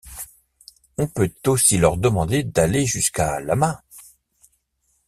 On peut aussi leur demander d'aller jusqu'à Lamma.